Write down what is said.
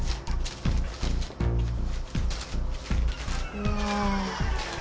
うわ。